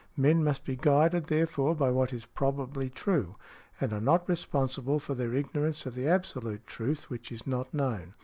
Men must be guided therefore by what is probably true, and are not responsible for their ignorance of the absolute truth which is not known.